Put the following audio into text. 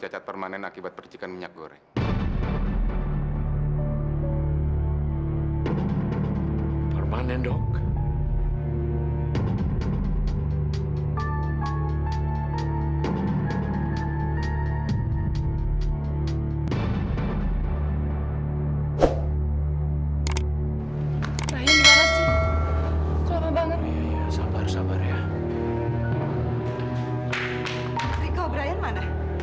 yang berguna dengan